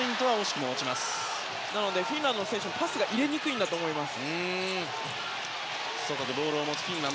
フィンランドの選手はパスが入れにくいと思います。